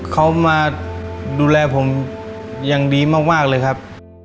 เขามาดูแลผมอย่างดีมากเลยครับ